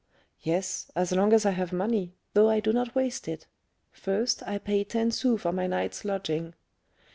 "Yes, as long as I have money, though I do not waste it. First, I pay ten sous for my night's lodging."